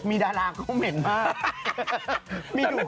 มีดาราเขาเหม็นมาก